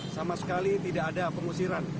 sama sekali tidak ada pengusiran